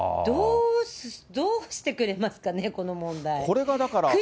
どうしてくれますかね、この問題。